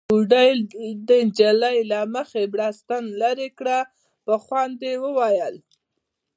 بوډۍ د نجلۍ له مخې بړستن ليرې کړه، په خوند يې وويل: